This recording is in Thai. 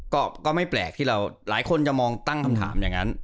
ก็ไม่แปลกที่เราหลายคนจะมองตั้งคำถามอย่างนั้น